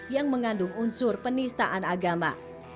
yang mengandung unsur penistaan agama